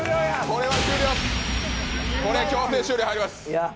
これは強制終了入ります。